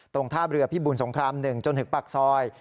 ตรงทาบเรือพิบุญสงคราม๑จนถึงปากซอย